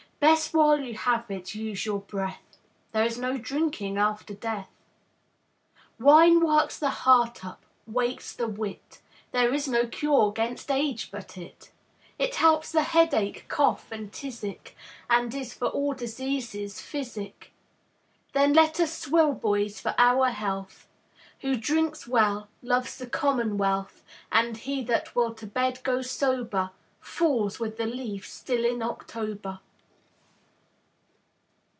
Best, while you have it, use your breath; There is no drinking after death. Wine works the heart up, wakes the wit; There is no cure 'gainst age but it. It helps the headache, cough, and tisic, And is for all diseases physic. Then let us swill, boys, for our health; Who drinks well, loves the commmonwealth. And he that will to bed go sober, Falls with the leaf still in October.